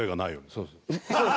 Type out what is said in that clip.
そうそう。